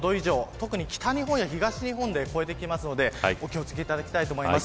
特に北日本や東日本で超えてきますのでお気をつけいただきたいと思います。